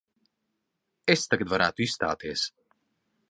Es tagad varētu izstāties.